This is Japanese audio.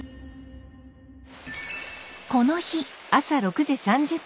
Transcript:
この日。